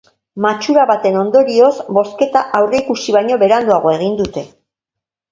Matxura baten ondorioz, bozketa aurreikusi baino beranduago egin dute.